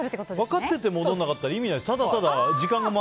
分かってて戻らなかったら意味がない。